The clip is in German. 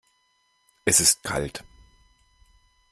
Es ist kalt.